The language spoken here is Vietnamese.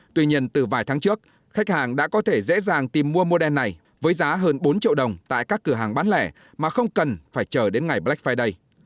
tuy nhiên từ vài tháng trước khách hàng đã có thể dễ dàng tìm mua mô đen này với giá hơn bốn triệu đồng tại các cửa hàng bán lẻ mà không cần phải chờ đến ngày black friday